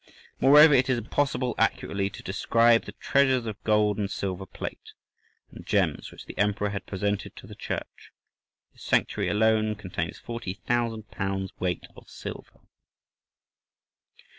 Moreover, it is impossible accurately to describe the treasures of gold and silver plate and gems which the Emperor has presented to the church: the Sanctuary alone contains forty thousand pounds weight of silver."